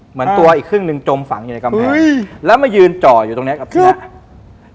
เหมือนตัวอีกครึ่งหนึ่งจมฝังอยู่ในกำแพงแล้วมายืนจ่ออยู่ตรงเนี้ยกับพี่นก